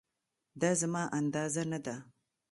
دا زما اندازه نه ده